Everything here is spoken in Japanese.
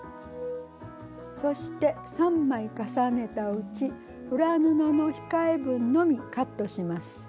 そして３枚重ねたうち裏布の控え分のみカットします。